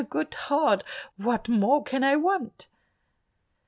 Good heart, what more can I want?"